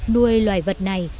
nuôi loài vật này